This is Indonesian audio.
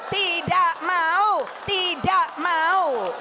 tidak mau tidak mau